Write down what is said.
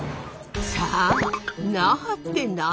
さあ那覇って何？